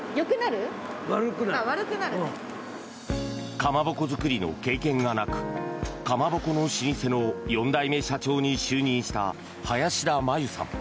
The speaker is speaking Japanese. かまぼこ作りの経験がなくかまぼこの老舗の４代目社長に就任した林田茉優さん。